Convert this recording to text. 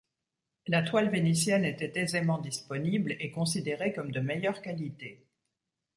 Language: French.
La toile vénitienne était aisément disponible et considérée comme de meilleure qualité.